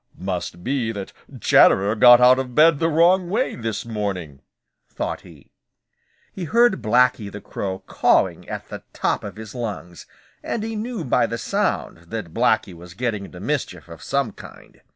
"Must be that Chatterer got out of bed the wrong way this morning," thought he. He heard Blacky the Crow cawing at the top of his lungs, and he knew by the sound that Blacky was getting into mischief of some kind.